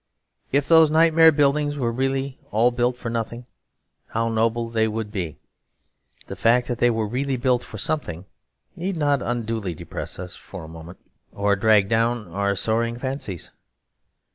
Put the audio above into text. If those nightmare buildings were really all built for nothing, how noble they would be! The fact that they were really built for something need not unduly depress us for a moment, or drag down our soaring fancies.